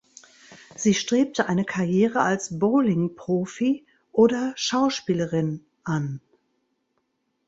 Sie strebte eine Karriere als Bowlingprofi oder Schauspielerin an.